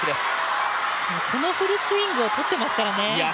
このフルスイングを取ってますからね。